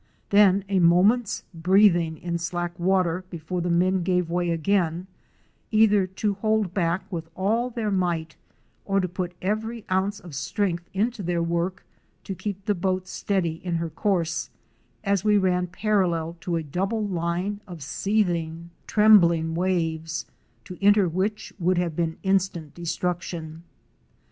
Then a moment's breathing in slack water before the men gave way again, either to hold back with all their might or to put every ounce of strength into their work to keep the boat steady in her course, as we ran parallel to a double line of seething, 268 OUR SEARCH FOR A WILDERNESS. trembling waves, to enter which would have been instant destruction.